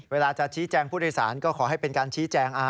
เวลาจะชี้แจงผู้โดยสารก็ขอให้เป็นการชี้แจง